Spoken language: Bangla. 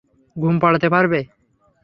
ঘুম পাড়াতে পারবে?